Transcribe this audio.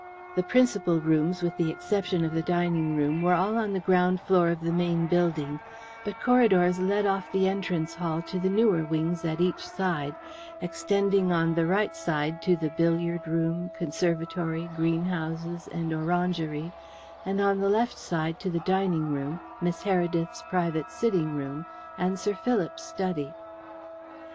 The principal rooms, with the exception of the dining room, were all on the ground floor of the main building, but corridors led off the entrance hall to the newer wings at each side, extending on the right side to the billiard room, conservatory, greenhouses, and orangery, and on the left side to the dining room, Miss Heredith's private sitting room, and Sir Philip's study.